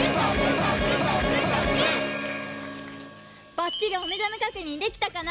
ばっちりおめざめ確認できたかな？